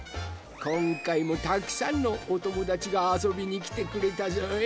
こんかいもたくさんのおともだちがあそびにきてくれたぞい。